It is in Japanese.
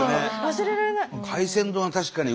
忘れられない。